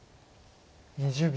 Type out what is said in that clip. ２０秒。